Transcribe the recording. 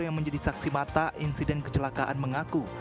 yang menjadi saksi mata insiden kecelakaan mengaku